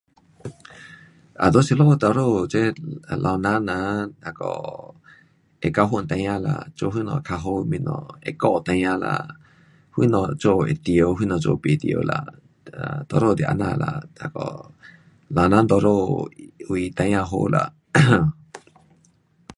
um 在这里多数这老人呐那个会教训孩儿啦，做东西较好的东西会教孩儿啦，什么做会对，什么做不对啦，哒，多数就这样啦。那个老人多数为为孩儿好啦。